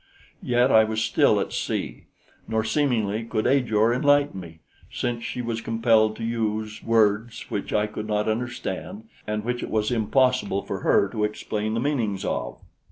Yet I was still at sea; nor, seemingly, could Ajor enlighten me, since she was compelled to use words which I could not understand and which it was impossible for her to explain the meanings of.